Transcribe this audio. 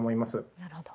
なるほど。